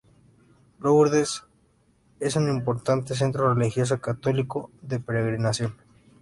Lourdes es un importante centro religioso católico de peregrinación.